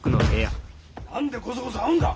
何でコソコソ会うんだ！